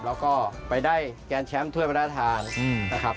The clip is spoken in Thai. แล้วก็ไปได้แกนแชมป์ถ้วยพระราชทานนะครับ